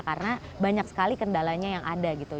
karena banyak sekali kendalanya yang ada gitu